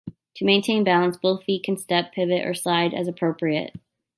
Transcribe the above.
To maintain balance, both feet can step, pivot or slide as appropriate.